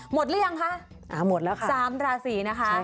หมดหรือยังคะสามราศีนะคะหมดแล้วค่ะ